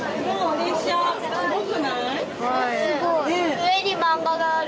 上に漫画がある。